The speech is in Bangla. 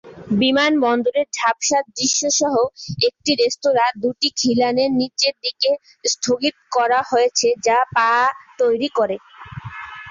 বিমানবন্দরের ঝাপসা দৃশ্য সহ একটি রেস্তোরাঁ দুটি খিলানের নীচের দিকে স্থগিত করা হয়েছে, যা পা তৈরি করে।